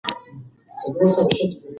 که ښوونه سمه وي نو روزنه هم سمه وي.